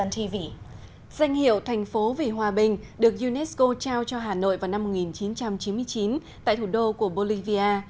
danh hiệu thành phố vì hòa bình được unesco trao cho hà nội vào năm một nghìn chín trăm chín mươi chín tại thủ đô của bolivia